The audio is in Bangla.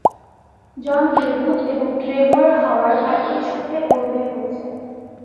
জন গিলগুড এবং ট্রেভর হাওয়ার্ড একসাথে অভিনয় করেছেন।